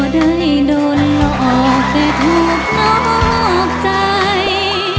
ไท้